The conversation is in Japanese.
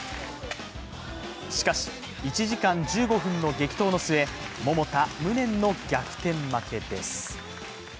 しかし、１時間１５分の激闘の末桃田、無念の逆転負けです。